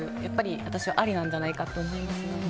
私はありなんじゃないかと思います。